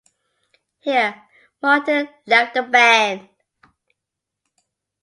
Here, Martin left the band.